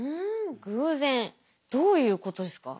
どういうことですか？